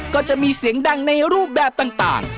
ก็จะมีเสียงดังในรูปแบบต่าง